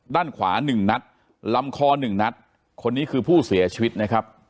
ด้านขวา๑นัดลำคอหนึ่งนัดคนนี้คือผู้เสียชีวิตนะครับ